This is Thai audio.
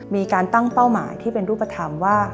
มีการตั้งเป้าหมายที่เป็นรูปธรรมว่า